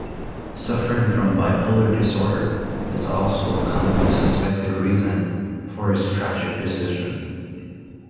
Suffering from bipolar disorder is also a commonly suspected reason for his tragic decision.